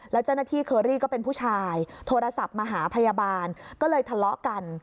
แล้วเจ้าหน้าที่เคอรี่ก็เป็นผู้ชายโทรศัพท์มาหาพยาบาลก็เลยทะเลาะกัน